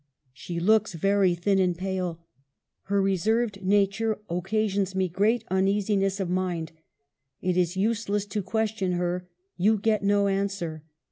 She looks very thin and pale. Her reserved nature occasions me great uneasiness of mind. It is useless to question her ; you get no answer.